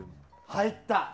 入った。